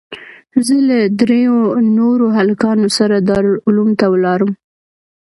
زه له درېو نورو هلکانو سره دارالعلوم ته ولاړم.